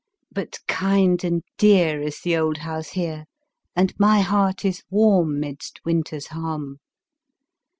But kind and dear Is the old house here And my heart is warm Midst winter's harm.